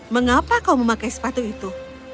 mengapa kau memakai sepatu itu